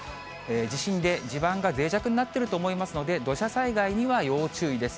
地震で地盤がぜい弱になっていると思いますので、土砂災害には要注意です。